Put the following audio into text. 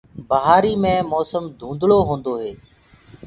بهآري مي موسم ڌُندݪو هوندو هي۔